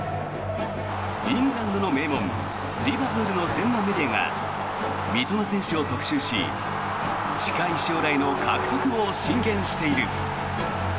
イングランドの名門リバプールの専門メディアが三笘選手を特集し近い将来の獲得を進言している。